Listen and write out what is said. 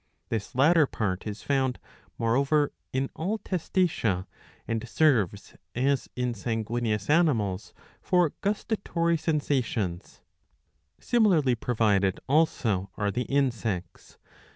This latter part is found, moreover, in all Testacea,^ and serves, as in sanguineous animals, for gustatory sensations. Similarly provided also are the Insects.